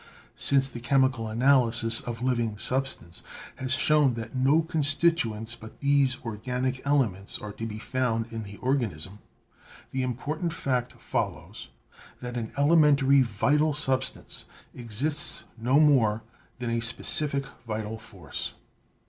Since the chemical analysis of living substance has shown that no constituents but these organic elements are to be found in the organism, the important fact follows that an elementary vital substance exists no more than a specific vital force.